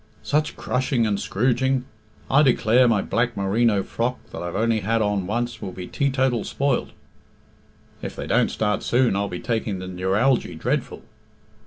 "Such crushing and scrooging! I declare my black merino frock, that I've only had on once, will be teetotal spoilt." "If they don't start soon I'll be taking the neuralgy dreadful."